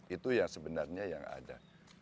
itu yang sebenarnya yang ada